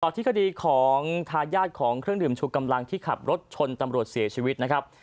ที่คดีของทายาทของเครื่องดื่มชูกำลังที่ขับรถชนตำรวจเสียชีวิตนะครับ